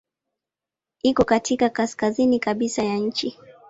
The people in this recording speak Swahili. Iko katika kaskazini kabisa ya nchi.